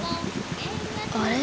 あれ？